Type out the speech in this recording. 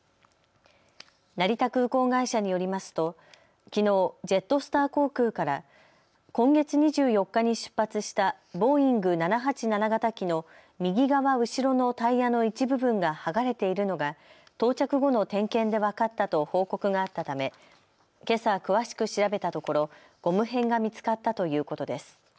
成田空港会社によりますときのうジェットスター航空から今月２４日に出発したボーイング７８７型機の右側後ろのタイヤの一部分が剥がれているのが到着後の点検で分かったと報告があったため、けさ詳しく調べたところゴム片が見つかったということです。